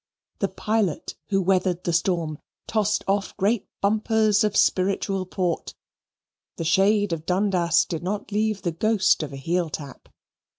The pilot who weathered the storm tossed off great bumpers of spiritual port; the shade of Dundas did not leave the ghost of a heeltap.